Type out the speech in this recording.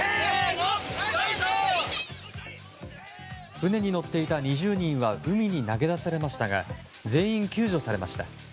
船に乗っていた２０人は海に投げ出されましたが全員救助されました。